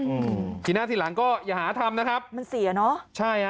อือแบบกว่าทีหลังก็อย่าหาทำนะครับมันเสียนะใช่อ่ะ